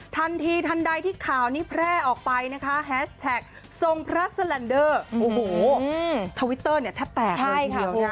ทันทีทันใดที่ข่าวนี้แพร่ออกไปแฮชแท็กทวิตเตอร์แทบแปลกเลย